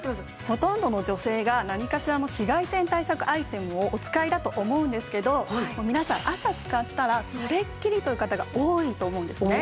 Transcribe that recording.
ほとんどの女性が何かしらの紫外線対策アイテムをお使いだと思うんですけど皆さん朝使ったらそれっきりという方が多いと思うんですね。